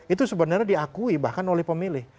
itu sebenarnya diakui bahkan oleh pemilih